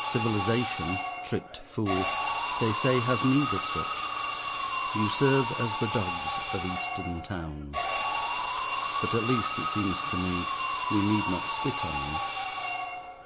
Civilization, tricked fool, they say has need of such. You serve as the dogs of Eastern towns. But at least, it seems to me, we need not spit on you.